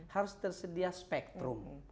harus tersedia spektrum